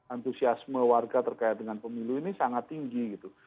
antusiasme warga terkait dengan pemilu ini sangat tinggi gitu